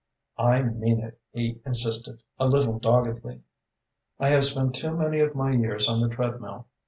"I mean it," he insisted, a little doggedly. "I have spent too many of my years on the treadmill.